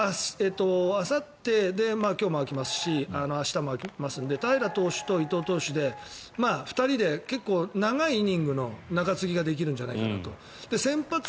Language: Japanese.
あさってで今日も空きますし明日も空きますので平良投手と伊藤投手で長いイニングの中継ぎができるんじゃないかなと。